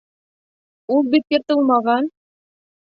Ул бит йыртылмаған.